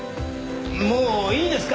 もういいですか？